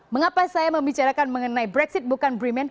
mengapa saya membicarakan mengenai brexit bukan bremen